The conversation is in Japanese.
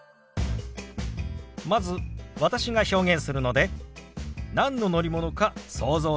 まず私が表現するので何の乗り物か想像してください。